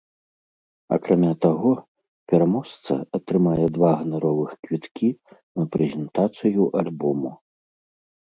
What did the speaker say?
Акрамя таго, пераможца атрымае два ганаровых квіткі на прэзентацыю альбому.